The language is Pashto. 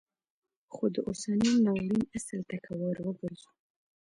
خو د اوسني ناورین اصل ته که وروګرځو